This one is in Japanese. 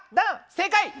正解。